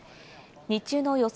日中の予想